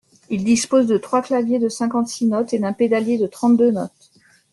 Il dispose de trois claviers de cinquante-six notes et d’un pédalier de trente-deux notes.